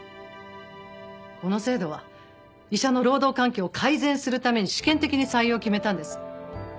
この制度は医者の労働環境を改善するために試験的に採用を決めたんです。